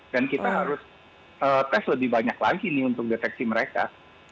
dan kita harus tes lebih banyak lagi ini untuk deteksi mereka